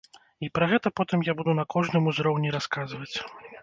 І пра гэта потым я буду на кожным узроўні расказваць.